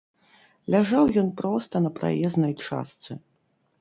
Ляжаў ён проста на праезнай частцы.